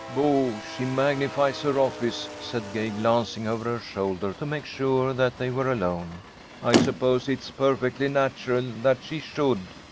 "Boo! She magnifies her office," said Gay, glancing over her shoulder to make sure that they were alone. "I suppose it is perfectly natural that she should.